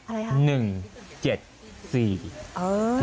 อะไรครับ